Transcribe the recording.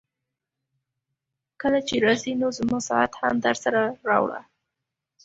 کله چي راځې نو زما ساعت هم درسره راوړه.